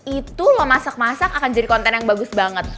itu memasak masak akan jadi konten yang bagus banget